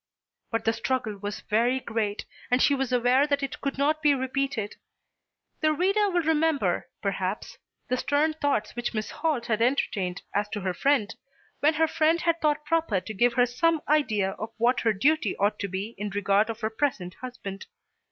But the struggle was very great, and she was aware that it could not be repeated. The reader will remember, perhaps, the stern thoughts which Miss Holt had entertained as to her friend when her friend had thought proper to give her some idea of what her duty ought to be in regard to her present husband.